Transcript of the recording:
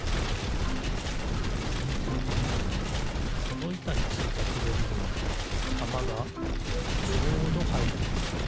このいたについたくぼみにはたまがちょうどはいる。